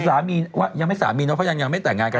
สามีว่ายังไม่สามีเนอะเพราะยังไม่แต่งงานกัน